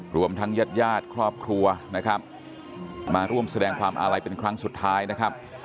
รวมทั้งญาติญาติครอบครัวนะครับมาร่วมแสดงความอาลัยเป็นครั้งสุดท้ายนะครับ